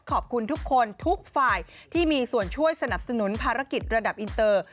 ขอบคุณทุกคนทุกฝ่ายที่มีส่วนช่วยสนับสนุนภารกิจระดับอินเตอร์